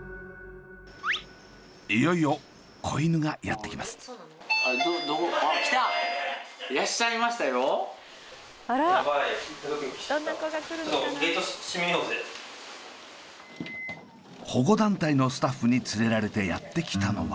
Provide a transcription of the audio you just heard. いよいよ子犬がやって来ます！保護団体のスタッフに連れられてやって来たのは。